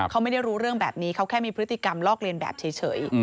เขาไม่ได้รู้เรื่องแบบนี้เขาแค่มีพฤติกรรมลอกเลียนแบบเฉย